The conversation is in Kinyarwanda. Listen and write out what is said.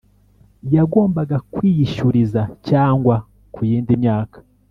yagombaga kwiyishyuriza cyangwa ku yindi myaka